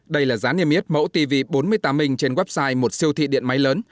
đây là giá niêm yết mẫu tv bốn mươi tám minh trên website một siêu thị điện máy lớn